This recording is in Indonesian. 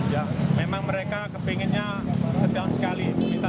ya memang mereka kepinginnya sedang sekali